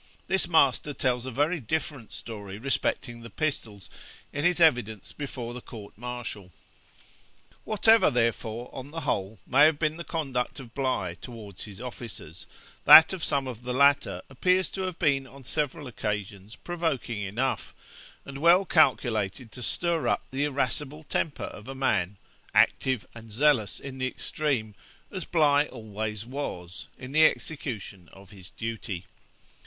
This master tells a very different story respecting the pistols, in his evidence before the court martial. Whatever, therefore, on the whole, may have been the conduct of Bligh towards his officers, that of some of the latter appears to have been on several occasions provoking enough, and well calculated to stir up the irascible temper of a man, active and zealous in the extreme, as Bligh always was, in the execution of his duty.